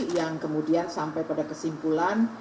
yang kemudian sampai pada kesimpulan